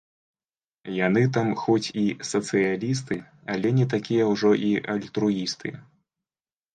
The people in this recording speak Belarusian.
Яны там хоць і сацыялісты, але не такія ўжо і альтруісты.